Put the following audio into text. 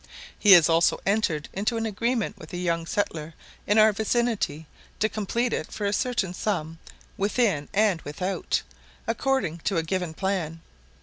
He has also entered into an agreement with a young settler in our vicinity to complete it for a certain sum within and without, according to a given plan.